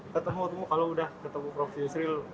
ketemu ketemu kalau sudah ketemu prof yusril